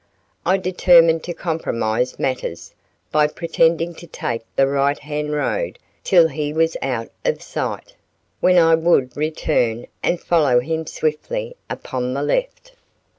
I determined to compromise matters by pretending to take the right hand road till he was out of sight, when I would return and follow him swiftly upon the left.